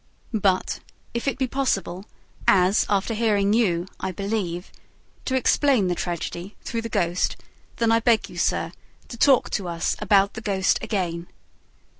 But, if it be possible as, after hearing you, I believe to explain the tragedy through the ghost, then I beg you sir, to talk to us about the ghost again.